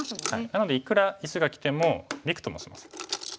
なのでいくら石がきてもびくともしません。